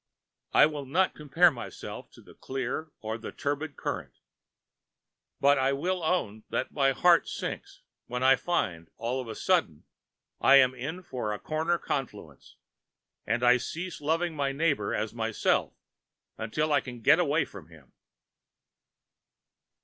I will not compare myself to the clear or the turbid current, but I will own that my heart sinks when I find all of a sudden I am in for a corner confluence, and I cease loving my neighbor as myself until I can get away from him.